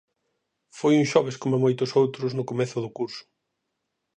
Foi un xoves coma moitos outros no comezo do curso.